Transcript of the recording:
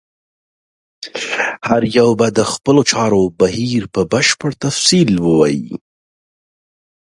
هر یو به د خپلو چارو بهیر په بشپړ تفصیل ووایي.